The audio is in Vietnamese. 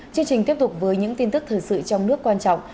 chương trình tiếp tục với những tin tức thời sự trong nước quan trọng